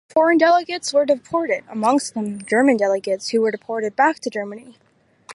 Foreign delegates were deported, amongst them German delegates who were deported back to Germany.